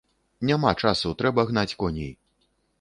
Няма часу, трэба гнаць коней.